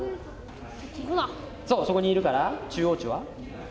そう、そこにいるから中央値は。